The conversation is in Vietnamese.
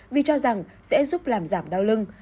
vì cho rằng sẽ giúp làm giảm đau lưng